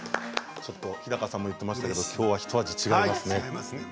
ちょっと日高さんも言ってましたけども、きょうはひと味違いますね。